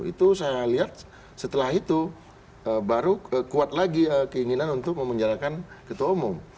itu saya lihat setelah itu baru kuat lagi keinginan untuk memenjarakan ketua umum